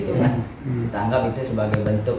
kita anggap itu sebagai bentuk